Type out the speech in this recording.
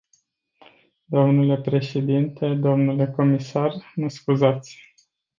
Dle președinte, dle comisar, mă scuzați.